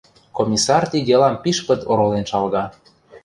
Комиссар ти делам пиш пыт оролен шалга.